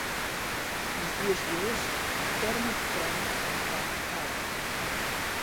Nos dias de hoje, a perna de frango é um prato raro.